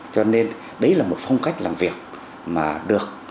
cho nên đấy là một phong cách làm việc mà được